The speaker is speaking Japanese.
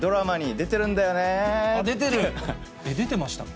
出てましたっけ？